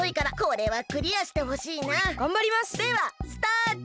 ではスタート！